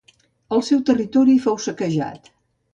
El seu territori fou saquejat.